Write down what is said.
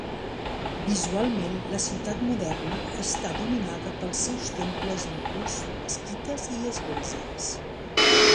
Visualment la ciutat moderna està dominada pels seus temples hindús, mesquites i esglésies.